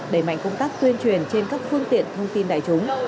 đẩy mạnh công tác tuyên truyền trên các phương tiện thông tin đại chúng